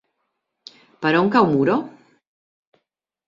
Per on cau Muro?